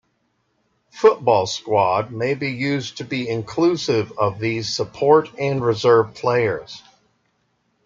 "Football squad" may be used to be inclusive of these support and reserve players.